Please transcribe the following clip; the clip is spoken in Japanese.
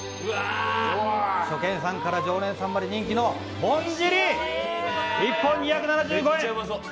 初見さんから常連さんまで人気のぼんじり１本２７５円！